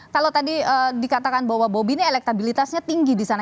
kalau tadi dikatakan bahwa bobi ini elektabilitasnya tinggi di sana